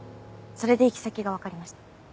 それで行き先が分かりました。